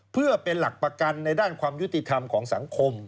เพื่อเป็นหลักประกันในด้านความยุติธรรมของสังคม